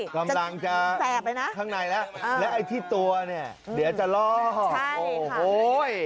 กำลังจะข้างในแล้วแล้วไอ้ที่ตัวเนี่ยเดี๋ยวจะลอกโอ้โฮ้ย